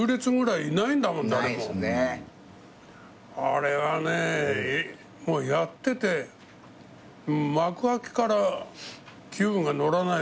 あれがねもうやってて幕開けから気分が乗らないですよね。